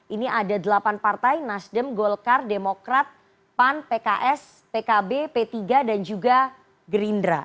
ini ada delapan partai nasdem golkar demokrat pan pks pkb p tiga dan juga gerindra